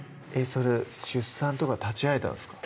出産とか立ち会えたんですか？